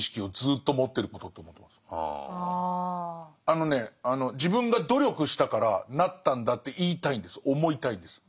あのね「自分が努力したからなったんだ」って言いたいんです思いたいんです。